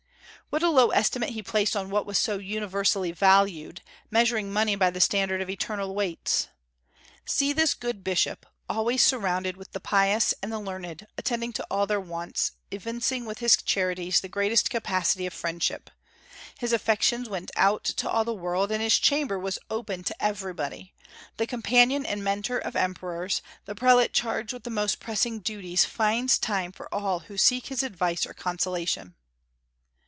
What a low estimate he placed on what was so universally valued, measuring money by the standard of eternal weights! See this good bishop, always surrounded with the pious and the learned, attending to all their wants, evincing with his charities the greatest capacity of friendship. His affections went out to all the world, and his chamber was open to everybody. The companion and Mentor of emperors, the prelate charged with the most pressing duties finds time for all who seek his advice or consolation.